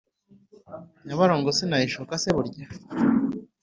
Nyabarongo sinayishoka se burya